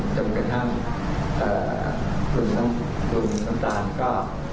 จนกระทั่งคุณน้องน้องตาลก็